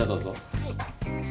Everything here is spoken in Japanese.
はい。